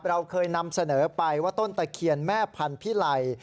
เราเคยนำเสนอไปว่าต้นตะเคียนแม่พันธิไล